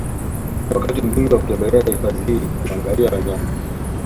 Wakati mzuri wa kutembelea hifadhi hii kuangalia wanyama